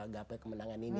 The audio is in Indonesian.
gape kemenangan ini